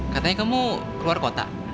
katanya kamu keluar kota